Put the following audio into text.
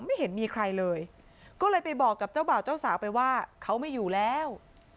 ไม่เห็นมีใครเลยก็เลยไปบอกกับเจ้าบ่าวเจ้าสาวไปว่าเขาไม่อยู่แล้ว